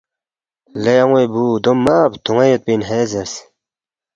لے ان٘وے بُو دو مہ بدون٘و یودپی اِن ہے زیرس